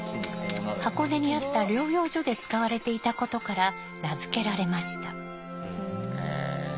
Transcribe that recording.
箱根にあった療養所で使われていたことから名付けられました。